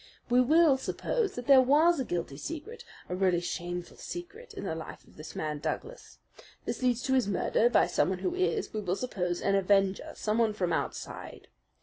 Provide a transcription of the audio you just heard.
"We will suppose that there was a guilty secret, a really shameful secret in the life of this man Douglas. This leads to his murder by someone who is, we will suppose, an avenger, someone from outside.